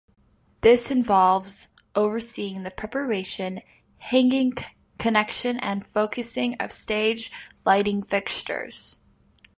This involves overseeing the preparation, hanging, connection and focusing of stage lighting fixtures.